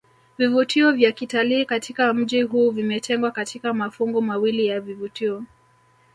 Vivutio vya kitalii katika mji huu vimetengwa katika mafungu mawili ya vivutio